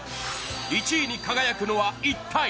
１位に輝くのは一体？